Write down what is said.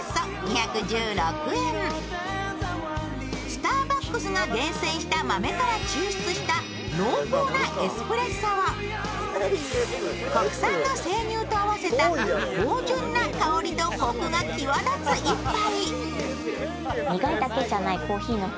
スターバックスが厳選した豆から抽出した濃厚なエスプレッソは国産の生乳と合わせた芳じゅんな香りとコクが際立つ一杯。